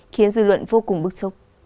khiến dư luận vô cùng bức xúc